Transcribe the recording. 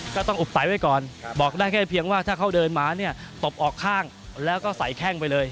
ก็ต้องอบใสไว้ก่อนบอกได้แค่เพียงว่าถ้าเขาเดินหมาเนี่ยตบออกข้างแล้วก็ใส่แข้งไปเลย